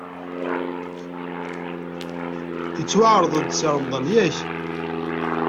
Ittwaɛreḍ-d Si Remḍan, yak?